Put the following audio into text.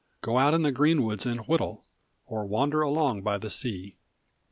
Go out in the green woods and whittle, Or wander along by the sea.